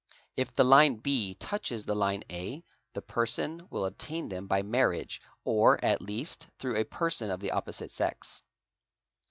If the line B touches the line A, the person will obtain them by marriage or, at least, through a person of the opposite sex.